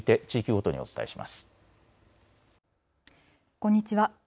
こんにちは。